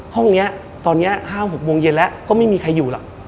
ห้องนี้ตอนนี้๕๖โมงเย็นแล้วก็ไม่มีใครอยู่หรอก